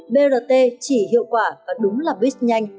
brt chỉ hiệu quả và đúng là buýt nhanh